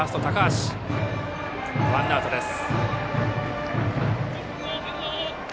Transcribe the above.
ワンアウトです。